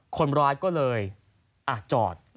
คนร้ายก็เลยจอด